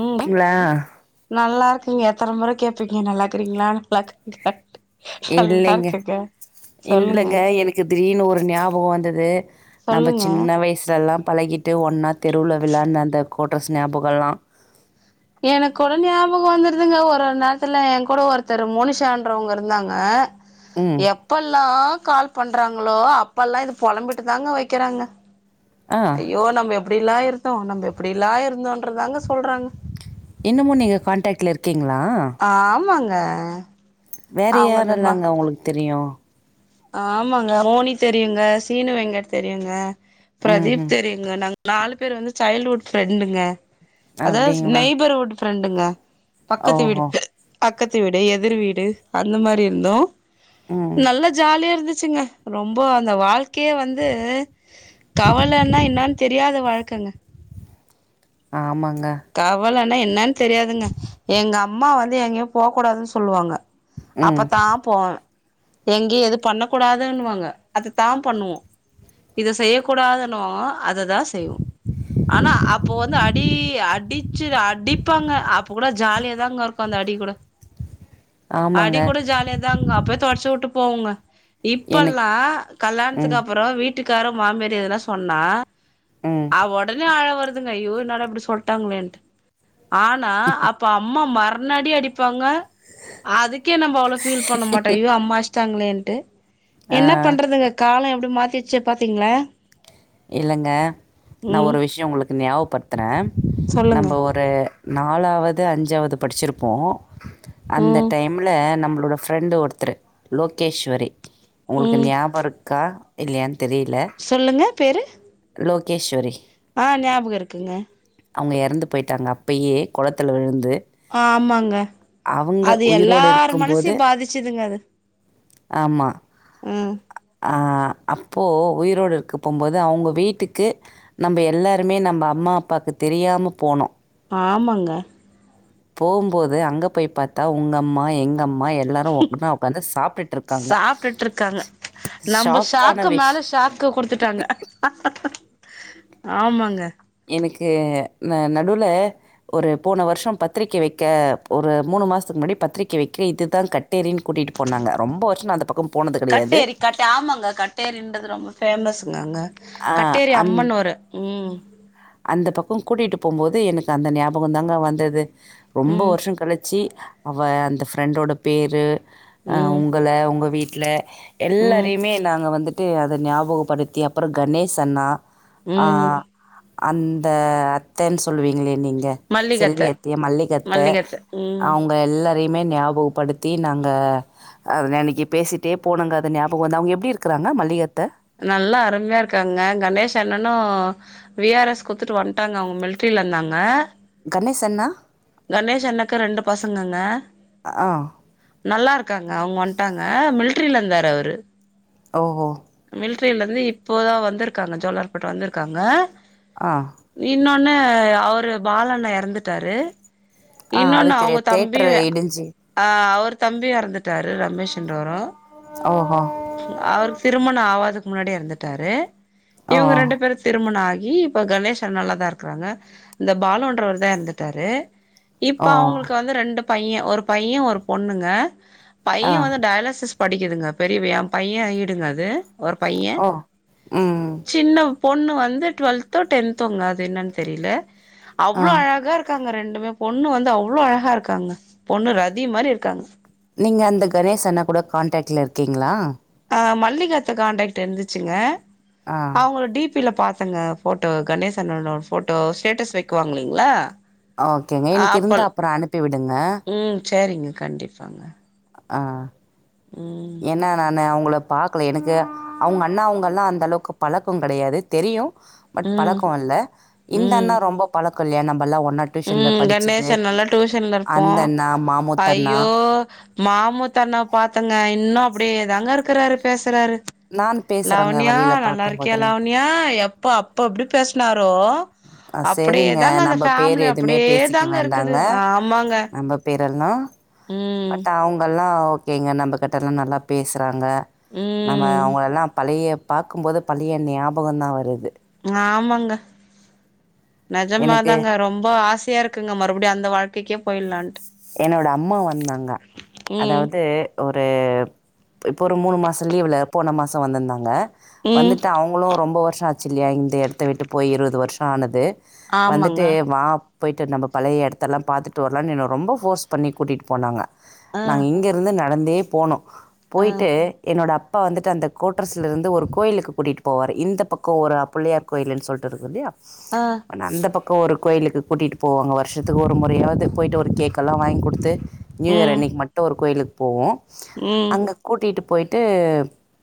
ம் களா நல்லா இருக்கங் எத்தன முறை கேப்பீங்க நல்லா கிறீங்களா நல்ல கிறீங்களான்ட்டு இல்லைங்க சொல்லுங்க இல்லங்க எனக்கு திடீர்னு ஒரு ஞாபகோ வந்தது நம்ம சொல்லுங்க சின்ன வயசுல்லாம் பழகிட்டு ஒன்னா தெருவுல விளையாட்ன அந்த கோட்டஸ் ஞாபகோல்லா எனக் கூட ஞாபகோ வந்தருதுங்க ஒரு நேரத்துல என் கூட ஒருத்தர் மோனிஷன்றவங்க இருந்தாங்க ம் எப்பல்லா கால் பண்றாங்களோ அப்பல்லா இது புலம்பிட்டு தாங்க வெக்கிறேங்க ஆ ஐயோ நம்ம எப்டி அப்டில்லா இருந்தோ நம்ம எப்டிலா இருந்தோன்றத தாங்க சொல்றாங்க இன்னமு நீங்க காண்டாக்ட்ல இருக்கீங்களா அ வேற யாரெல்லாங்க உங்களுக்கு தெரியு ஆமாங்க மோனி தெரியுங்க சீனு வெங்கட் தெரியுங்க ம் பிரதீப் ம் தெரியுங்க நாங்க நாலு பேர் வந்து சைல்ட்ஹுட் ஃப்ரெண்டுங்க அதாவது அப்டிங்களா நெபர்வுட் ஃப்ரெண்டுங்க பக்கத்து வீடு ஓஹோ பக்கத்து வீடு எதிர் வீடு அந்த மாரி இருந்தோ ம் நல்லா ஜாலியா இருந்துச்சுங்க ரொம்ப அந்த வாழ்க் கே வந்து கவலன்னா என்னான்னு தெரியாத வாழ்க்கங்க ஆமாங்க கவலன்னா என்னான்னு தெரியாதுங்க எங்க அம்மா வந்து எங்கேயும் போக கூடாதுன்னு சொல்லுவாங்க ம் அப்பத்தா போவே எங்கையு எதுவு பண்ண கூடாதுன்னுவாங்க அதத்தா பண்ணுவோ இத செய்ய கூடாதுன்னுவோ அததா செய்வோ ஆனா அப்போ வந்து அடி அட் அடிச்சி அடிப்பாங்க அப்ப கூட ஜாலியாதாங்க இருக்கு அந்த அடி கூட ஆமாங்க அடி கூட ஜாலியாதாங்க அப்பேயே தொடச்சி விட்டு போவோங்க எனக்கு இப்பல்லா கல்யாண்துக்கு ம் அப்புறோ வீட்டுக்காரோ மாமியார் எதுனா சொன்னா ம் ஆ உடனே அழ வருதுங்க ஐயோ என்னட இப்டி சொல்லிட்டாங்களேன்டு ஆனா அப்ப அம்மா மரண அடி அடிப்பாங்க அதுக்கே நம்ம அவ்வளோ ஃபீல் பண்ண மாட்டோ ஐயோ அம்மா அஷ்ட்டாங்களேன்டு ஆ என்ன பண்றதுங்க காலோ எப்டி மாத்திச்சி பாத்தீங்களா இல்லங்க நா ம் ஒரு விஷயோ உங்களுக்கு ஞாபப்படுத்துறே சொல்லுங்க நம்ப ஒரு நாலாவது அஞ்சாவது படிச்சிருப்போ அந்த ம் டைம்ல நம்ம நம்லோட ஃப்ரெண்ட் ஒருத்தரு லோகேஷ்வரி உங்களுக்கு ம் ஞாபோ இருக்கா இல்லைய தெரில சொல்லுங்க பேரு லோகேஷ்வரி ஆ ஞாபகோ இருக்குங்க அவுங்க எறந்து போயிட்டாங்க அப்பயே குளத்துல விழுந்து ஆமாங்க அவங்க அது உயிரோடு எல்லார் மனசுயு பாதிச்சிதுங்க அது ஆமா ம் ஆ அப்போ உயிரோடு இருக்கு போம்போது அவுங்க வீட்டுக்கு நம்ம எல்லாருமே நம்ம அம்மா அப் பாக்கு தெரியாம போனோ ஆமாங்க போம்போது அங்க போய் பாத்தா உங்க அம்மா எங் ங்க அம்மா எல்லாரு ஒன்னா ஒக்காந்து சாப்டிட்டு இருக்காங்க நம்ப ஷாக்கு மேல ஷாக்கு குடுத்துட்டாங்க ஆமாங்க எனக்கு ந நடுல ஒரு போன வருஷோ பத்திரிக்கை வைக்க ஒரு மூணு ணு மாசத்துக்கு முன்னடி பத்திரிக்கை வைக்க இதுதா கட்டேறினு கூட்டிட்டு போனாங்க ரொம்ப வருஷ நா அந்த பக்க கட்டேரி கட்ட ஆமாங்க கட்டேரின்றது ரொம்ப ஃபேமஸுங்க அங்க ஆ கட்டேரி அந் அம்மன் ஒரு ம் அந்த பக்கோ கூட்டிட்டு போகும்போது எனக்கு அந்த ஞாபகம் தாங்க வந்தது ரொம்ப ம் வருஷோ கழிச்சி அவ அந்த ஃப்ரெண்டோட பேரு அ ம் உங்கள உங்க வீட்ல ம் எல்லாரையுமே நாங்க வந்துட் ட்டு அத ஞாபகப்படுத்தி அப்புற கணேஸ் அண்ணா ஆ ம் அந்த அத்தன்னு சொல்லுவீங்களே நீங்க மல்லிகத்த செல்வியத்திய மல்லிகத்த அவுங்க எல்லா த்தையுமே ஞாபகப்படுத்தி நாங்க அது அன்னைக்கு பேசிட்டே போனேங்க அது ஞாபகம் வந்து அவுங்க எப்படி இருக்குறாங்க மல்லிகத்தை நல்லா அருமையா இருக்காங்கங்க கணேஷ் அண்ணனு வி ஆர் எஸ் குடுத்துட்டு வன்ட்டாங்க அவுங்க மில்ட்ரி ல இருந்தாங்க கணேஷ் அண்ணா? கணேஷ் அண்ணாக்கு ரெண்டு பசங்கங்க ஆ. நல்லா இருக்காங்க அவுங்க வன்ட்டாங்க மில்ட்ரில இருந்தாரு அவரு ஓஹோ மிலிட்ரியில இருந்து இப்போதா வந்துருக்காங்க ஜோலார்பேட்ட வந்துருக்காங்க அ முன்ன அவரு பாலண்ணே எறந்துட்டாரு இன்னொன்னு அவுங்க தம்பியு ஆ அவர் தம்பி எறந்துட்டாரு ரமேஷ் என்றோரு அவருக்கு திருமண ஆவாதுக்கு முன்னாடியே எறந்துட்டாரு இவுங்க ரெண்டு பேரு திருமண ஆகி இ இப்ப கணேசன் நல்லாதா இருக்கறாங்க இந்த பாலுன்றவர்தா எறந்துட்டாரு இப்ப ஓ அவுங்களுக்கு வந்து ரெண்டு பைய ஒரு பைய ஒரு பொண்ணுங்க பைய ஆ வந்து டயாலசிஸ் படிக்குதுங்க பெரியவ பைய ஈடுங்க அது ஒரு பைய ஓ ம் சின்ன பொண்ணு வந்து டுவெல்த்தோ டென்த்தோங்க அது என்னன்னு தெரியல ஆ அவ்ளோ அழகா இருக்காங்க ரெண்டு மே பொண்ணு வந்து அவ்ளோ அழகா இருக்காங்க பொண்ணு ரதி மாரி இருக்காங்க நீங்க அந்த கணேஸ் அன்னா கூட கான்டாக்ட்ல இருக்கீங்களா மல்லிகாத்த காான்டாக்ட் இருந்துச்சுங்க ஆ அவுங்களோட டி பி ப்பில பாத்தேங்க ஃபோட்டோ கணேஸ் அண்ணனோட ஃபோட்டோ ஸ்டேட்டஸ் வைக்குவாங்க இல்லைங்களா ஓகேங்க எனக்கு இருந்தா ஆப்பல் அப்புற அனுப்பி விடுங்க ம் சேரிங்க கண்டிப்பாங்க ஆ ம் என்னா நானு அவுங்கள பாக்கல எனக்கு அவுங்க அண்ணா அவுங்கெல்லா அந்த அளவுக்கு பழக்கோ கெடையாது தெரியு பட் ம் பழக்கோ இல்ல இந்த ம் அண்ணா ரொம்ப பழக்கோ இல்லையா நம் பல்லா ஒன்னா டியூஷன்ல ம் படிச்சது கணேசன் நல்லா டியூஷன்ல இருப்போ அந்த அண்ணா மாமுத் அண்ணா மாமுத் அண்ணா பாத்தேங்க இன்னு அப்டியேதாங்க இருக்குறாரு பேசுறாரு நான் பேசுகிறேங்க லாவண்யா வழியில் நல்லா இருக்கியா பார்க்கும்போதெல்லாம் லாவண்யா எப்ப அப்ப எப்டி பேசுனார் ரோ ஆ சரிங்க அப்டியேதாங்க அந்த நம்ம பேர் ஃபேமிலி எதுவுமே அப்டியே பேசிக்க தாங்க இருக்குது ஆமாங்க எல்லா ம் பட் அவுங்கெல்லா ஓகேங்க நம்மகிட்டலா நல்லா பேசுறா ங்க நம்ம ம் அவுங்கலெல்லா பழைய பாக்கும்போது பழைய ஞாபகோ தா வருது ஆமாங்க எனக்கு நெஜமாதாங்க ரொம்ப ஆசயா இருக்குங்க மறுபடியு அந்த வாழ்க் கைக்கே போய்ட்லாண்ட்டு என்னோட அம்மா வந்தாங்க ம் அதாவது ஒரு ஒரு இப்போ ஒரு மூணு மாசோ லீவ்ல போன மாசோ வந்திருந்தாங்க ம் வந்துட்டு அவுங்களு ரொம்ப வருஷோ ஆச்சு இல்லையா இந்த எடத்த விட்டு போய் இருவது வருஷோ ஆனது வந்துட்டு ஆமாங்க வா போய்ட்டு நம்ம பழைய எடத்தெல்லா பாத்துட்டு வரலானு என்ன ரொம்ப ஃபோர்ஸ் பண்ணி கூட்டிட்டு போனாங்க அ நாங்க இங்கேருந்து நடந்தே போனோ அ போய்ட்டு என்னோட அப் பா வந்துட்டு அந்த கோட்ர்ஸ்ல இருந்து ‌ ஒரு கோயிலுக்கு கூட்டிட்டு போவாரு இந்த பக்க ஒர புள்ளையார் கோயிலுன்னு சொல்லிட்டு இருக்குல்லியா அ அனா அந்த பக்கோ ஒரு கோயிலுக்கு கூட்டிட்டு போவாங்க வர்ஷத்துக்கு ஒரு முறயாவ்து போய்ட்டு ஒரு கேக் கல்லா வாங் குடுத்து நியூயர் ம் அன்னக்கி மட்டு ஒரு கோய்லுக் போவோ ம் அங்க கூட்டிட்டு பொய்ட்டு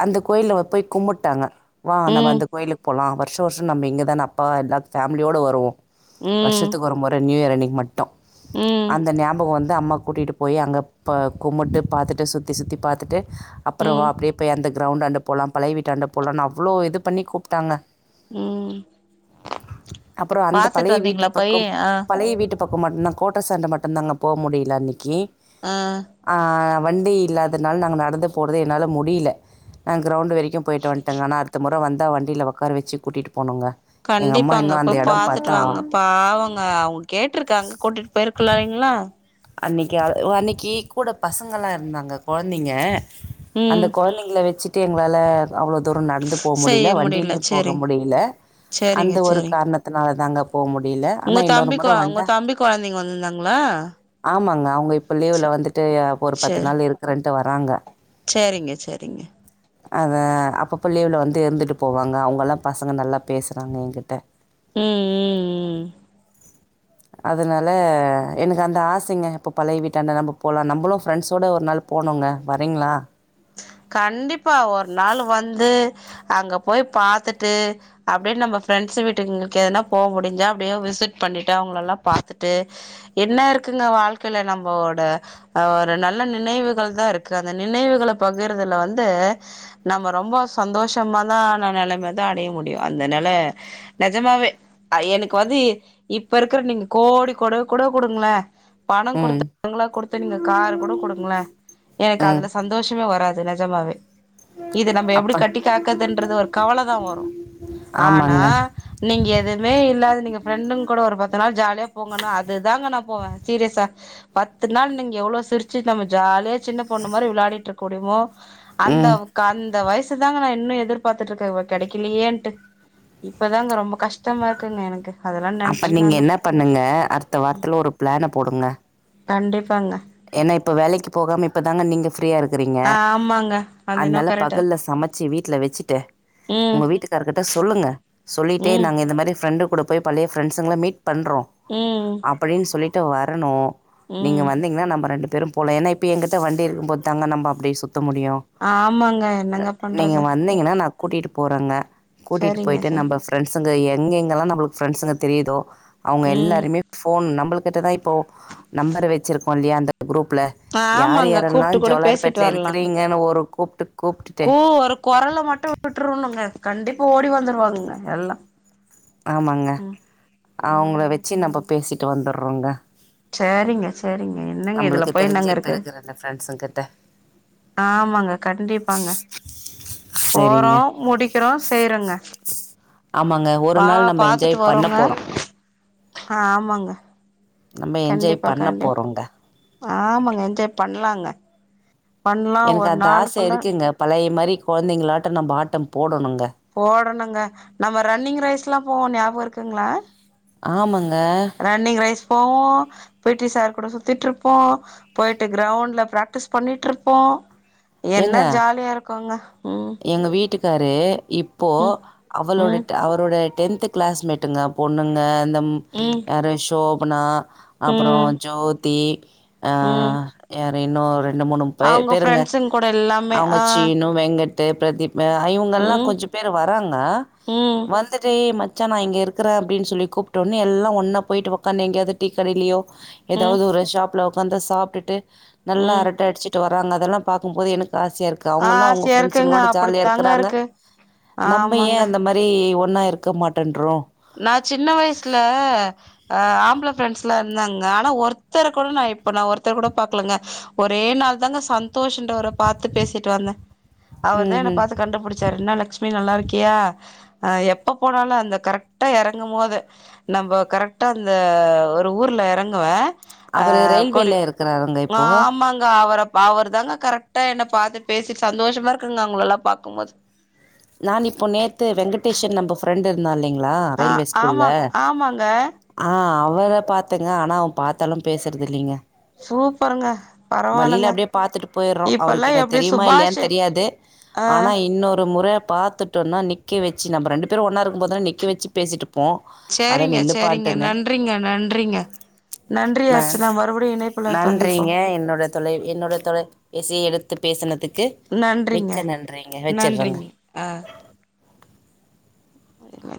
அந்த கோயில்லவ போய் கும்முட்டாங்க வா நம்ம ம் அந்த கோயிலுக் போலா வர் ஷோர்ஷோ நம்ம இங்கதான அப்பா எல்லாத் ஃபேம்லியோட வருவோ ம் வர்ஷத்துக் ஒரு முற நியூயர் அன்னிக்கி மட்டு ம் அந்த ஞாபகோ வந்து அம்மா கூட்டிட்டு போய் அங்கப்பா கும்புட்டு பாத்துட்டு சுத்தி சுத்தி பாத்துட்டு அப்பற வா ம் அப்டியே பேய் அந்த க்ரௌண்டாண்ட போலா பழை வீட்டாண்ட போலானு அவ்ளோ இது பண்ணி கூப்ட்டாங்க ம் அப்றொ அந்த பாத்துட்டு பழைய வீட்டு வந்தீங்களா பக்கெ போய் அ பழைய வீட்டு பக்கோமாட் நா கோட்டஸ்ஸாண்ட மட்டு தாங்க போ முடில அன்னிக்கி அ வண்டி இல்லாதனால நாங் நடுந்து போறது என்னால முடில க்ரௌண்ட் வரைக்கு போய்ட்டு வன்ட்டங்க ஆனா அடுத்த முற் வந்தா வண்டில ஒக்கார வச்சு கூட்டிட்டு போனுங்க கண்டிப்பாங்க போ பாத்துட்டு வாங்க பாவங்க அவுங்க கேட்ருக்காங்க கூட்டிட்டு பேய்ருக்குலாய்ங்ளா அன்னக்கியாரு ஒ அன்னக்கி கூட பசங்கலா இருந்தாங்க கொழந்திங்க அந்த ம் கொழந்திங்ள வெச்சுட்டு எங்ளால அவ்ளோ தூர நடுந்து போ செய்ய முடில முடியல வண்டில்யு போக சேரிங் முடில சேரிங்க அந்த ஒரு சேரிங் கார்ணத்துனால தாங்க போமுடில உங்க அனா இன்னொரு முற வன்ந்தா ஆஹ் ஆமாங்க அவுங்க இப்ப லீவ்ல வந்துட்டு ஒரு பத்து நாள் இருக்குறன்ட்டு வராங்க இங்க சரிங்க அத அப்பப்ப லீவ்ல வந்து இருந்துட்டு போவாங்க அவுங்கலா பசங்க நல்லா பேசுறாங்க ஏங்கிட்ட ம் ம் ம் அதுனால எனுக்கு அந்த ஆசங்க இப்ப பழைய வீட்டாண்ட நம்ம போலா நம்பளு ஃப்ரெண்ஸ்ஸோட ஒரு நாள் போனுங்க வரீங்ளா கண்டிப்பா ஒரு நாள் வந்து அங்க போய் பாத்துட்டு அப்டே நம்ப ஃப்ரெண்ட் ண்ஸு வீட்டுக்குங்ளுக்கு ஏத்னா போ முடிஞ்சா அப்டே விசுட் பண்ணிட்டு அவுங்லலா பாத்துட்டு என்னருக்குங்க வாழ்க்கைல நம்ப ஓட ஒரு நல்ல நினைவுகள் தா இருக்கு அந்த நினைவுகள பகிருதுல வந்து நம்ம ரொம்ப சந்தோஷமாதா தா‌ நெலமை தா அடைய முடியு அந்த நெல லே நெஜமாவே எனக்கு வந்து இப்ப இருக்குற நீங்க கோடி கொடய கூட குடுங்ள பண ம் குடுத்து வங்ளா குடுத்து நீங்க காரு கூட குடுங்கள எனக்கு ம் அதுல சந்தோஷ் யோ வராது நெஜமாவே இது நம்ப எப்டி அப்போ கட்டி காக்கற்துன்றது ஒரு கவல தா வரு ஆனா ஆமாங்க நீங் எதுமே இல்லாது நீங்க ஃப்ரெண்டுங் கூட ஒரு பத்து நாள் ஜால்யா போங்கன்ணு அதுதாங்க நா போவ சீரியஸா பத்து நாள் நீங்க எவ்ளோ சிரிச்சு நம்ம ஜால்யா சின்ன பொண்ணு மாரி விளாடிட்ருக் குடிமோ ம் அந்தவ் கந்த வயிஸ் சு தாங்க நா இன்னு எதுர்பாத்துட்டு இருக்க இவ கெடக்லிலியேன்ட்டு இப்பதாங்க ரொம்ப கஷ்டமா இருக்குங்க எனக்கு அதெல்லா அப்ப நீங்க நெனச்சுட்டோனா என்ன பண்ணுங்க அர்த்த வாரத்துல ஒரு ப்ளேன போடுங்க கண்டிப்பாங்க ஏன்னா இப்ப வேலக்கி போகாம இப்பதாங்க நீங்க ஃப்ரீயா இருக்கறீங்க ஆ ஆமாங்க அது என்னவோ அத்னால கரெக்ட்டு பகல்ல சமச்சி வீட்ல வெச்சிட்டு ம் உங்க வீட்டுக்கார் கிட்ட சொல்லுங்க சொல்லிட்டே ம் நாங்க இந்த மாரி ஃப்ரெண்டு் கூட போய் பழிய ஃப்ரெண்ட்ஸுங்கள மீட் பண்றோ ம் அப்படின் சொல்லிட் ட்டு வரணு நீங்க ம் வந்தீங்ன்னா நம்ப ரெண்டு பேரு போலா ஏன்னா இப்ப எங்கிட்ட வண்டி இருக்குபோத் தாங்க நம்ப அப்டி சுத் முடியு ஆமாங்க என்னங்க நீங்க பண்றது ம் வந்தீங்கனா நா கூட்டிட்டு போறாங்க கூட்டிட்டு சரிங்க போயிட்டு சரி நம்ப ப்ரெண்ஸுங்க எங்கெல்லா நம்பளுக்கு ஃப்ரெண்ஸுங்க தெரியுதோ அவுங்க ம் எல்லார்யிமே ஃபோன் நம்புல் கிட்டதா இப்போ நம்பர் வச்சிருக்கோ இல்யா அந்த குரூப்ல யார் ஆமாங்க யாரெல்லா கூப்ட்டு கூட ஜோலார் பேசிட்டு பெட்ல வரலாங்க இருக்குறீங்கன்னு ஒரு கூப் கூ ஒரு கொரல மட்டு விட்ருனுங்க கண்டிப்பா ஓடி வந்துருவாங்குங்க எல்லா ஆமாங்க ம் அவங்கள ம் வச்சு நம்ம பேசிட்டு வந்துருறோங்க சரிங்க சரிங்க என்னங்க இதுல நம்மளுக்கு போய் தெரிஞ்சு என்னங்க இப்ப இருக்கு இருக்கற இந்த ஃப்ரெண்ட்ஸங்க கிட்ட ஆமாங்க கண்டிப்பாங்க போறோ சரிங்க முடிக்கிறோ செய்றங்க ஆமாங்க ஒரு பா நாள் நம்ம பாத்துட்டு என்ஜாய் பண்ண வரோங்க போறோ ஆ ஆமாங்க நம்ம என்ஜாய் கண்டிப்பா பண்ண கண்டி போறோங்க ஆமாங்க என்ஜாய் பண்ணலாங்க எனக்கு அது ஆச இருக்குங்க பழைய மாரி குழந்தைங்களாட்ட நம்ம ஆட்ட போடணும்ங்க போடணுங்க நம்ம ரன்னிங் ரைஸ்ல்லா போவோ ஞாபக இருக்குங்களா ஆமாங்க ரன்னிங் ரைஸ் போவோ பிட் டி சார் கூட சுத்திட்ருப்போ போயிட்டு கிரௌண்ட்ல ப்ராக்டிஸ் பண்ணிட்ருப்போ என்ன ஏங்க ஜாலியா இருக்கோங்க எங்க வீட்டுக்காரு இப்போ ம் அவளோட ம் அவரோட டென்து கிளாஸ்மேட்டுங்க பொண்ணுங்க அந்த ம் யாரு ஷோபனா அப்புறோ ம் ஜோ தி ஆ ம் யாரு இன்னு ரெண் ரெண்டு மூணு பே அவுங்க பேருங்க ஃப்ரெண்ட்ஸுங் கூட எல்லாமே அவங்க ஆ சீனு வெங்கட் டு பிரதீப்பு இவங்கல்லா ம் கொஞ்ச பேர் வராங்க ம் வந்துட்டு ஏய் மச்சா நா இங்க இருக்கே அப்டின்னு சொல்லி கூப்ட்டோன்னே எல்ல ஒன்னா போயிட்டு உக்காந்து எங்கயாவது டீகடையிலயோ ம் ஏதாவது ஒரு ஷாப்ல உக்காந்து சாப்ட்டுட்டு நல்லா ம் அரட்ட அடுச்சுட் ட்டு வராங்க அதெல்லா பாக்கு போது எனக்கு ஆசையா இருக்கு ஆ அவங்கல்லா அவுங்க ப்ரெண்ட்ஸ் சேருக்குங்க சங்களோட ஜாலியா அப்படித்தாங்க இருக்கிறாங்க இருக்கு நம்ம ஏ ஆமாங்க அந்த மாரி ஒன்னா இருக்க மாட்டேன்றோ நா சின்ன வயசுல அ ஆம்பள பிரெண்ட்ஸ்லா இருந்தாங்க ஆனா ஒருத்தர கூட நா இப்ப நா ஒருத்தர் கூட பாக்கலங்க ஒரே நாள் தாங்க சந்தோஷ்ன்றவர பாத்து பேசிட்டு வந்தே அவர்தா ம் என்ன ம் பாத்து கண்டுபிடிச்சாரு என்னா லக்ஷுமி நல்லாருக்கியா ஆ எப்ப போனாலு அந்த கரெக்ட் ட்டா எறங்கும் போது நம்ம கரெக்டா அந்த ஒரு ஊர்ல எறங்குவே ஆ அவரு கொடு ரயில்வேல இருக்கறாருங்க இப்போ ஆமாங்க அவர அவரு தாங்க கரெக்டா என்ன பாத்து பேசி சந்தோஷமா இருக்குங்க அவங்களல்லா பாக்கும் போது நான் இப்போ நேத்து வெங்கடேஷன் நம்ப ஃப்ரெண்ட் இருந்தாலைங்க ல ஆ ரயில்வே ஸ்கூல்ல ஆமா ஆமாங்க ஆ அவ வேற பாத்தங்க ஆனா அவ பாத்தாலு பேசுறதில்லைங்க சூப்பருங்க வழியில பரவால்லங்க அப்டியே பாத்துட்டு போயிறோ இப்பல்லா அவருக்கு என்ன எப்டி தெரியுமா சுபாஷ் இல்லையான்னனு தெரியாது ஆ ஆனா இன்னொரு முறை பாத்துட்டோம்னா நிக்க வச்சு நம்ம ரெண்டு பேரு ஒன்னா இருக்கும் போது நிக்க வச்சு பேசிட்டு ப்போ அட சேரிங்க சேரிங்க நில்லுப்பான்ட்டுன்னே நன்றிங்க நன்றிங்க நன்றி ந அர்ச்சனா மறுபடியு இணைப்புல சந்திப்போ நன்றிங்க என்னோட தொலை என்னோட தொலைபேசிய எடுத்து பேசனதுக்கு மிக்க நன்றிங்க வச்சுறேங்க ஆ அ